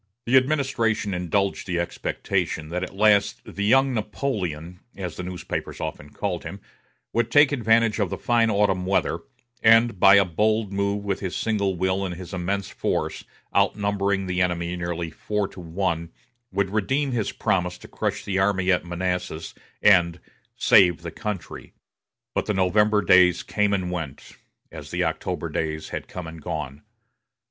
The administration indulged the expectation that at last "The Young Napoleon," as the newspapers often called him, would take advantage of the fine autumn weather, and, by a bold move with his single will and his immense force, outnumbering the enemy nearly four to one, would redeem his promise to crush the army at Manassas and "save the country." But the November days came and went, as the October days had come and gone.